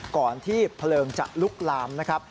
ก่อนที่เพลิงจะลุกลามนะครับ